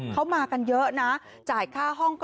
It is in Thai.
เพราะฉะนั้นก็ขอเสียงดังให้เต็มที่กันหน่อยได้ไหมล่ะ